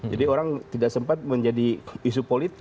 jadi orang tidak sempat menjadi isu politik